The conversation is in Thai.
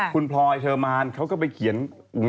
คุณพลอยเธอมานเขาก็ไปเขียนคอมเม้นท์